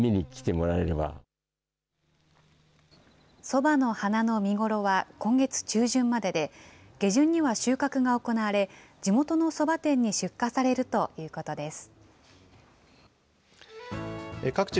そばの花の見頃は今月中旬までで、下旬には収穫が行われ、地元のそば店に出荷されるということです。